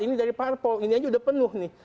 empat ini dari parpol ini aja sudah penuh nih